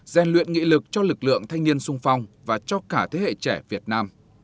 gian luyện nghị lực cho lực lượng thanh niên sung phong và cho cả thế hệ trẻ việt nam